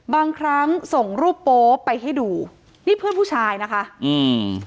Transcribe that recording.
บางครั้งส่งรูปโป๊ไปให้ดูนี่เพื่อนผู้ชายนะคะอืม